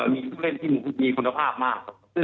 มีชุดเล่นที่มีคุณภาพมาก